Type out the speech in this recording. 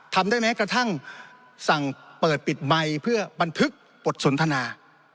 ทำได้แม้กระทั่งสั่งเปิดปิดไมค์เพื่อบันทึกบทสนทนา